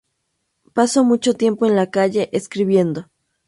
Pasó mucho tiempo en la calle, escribiendo.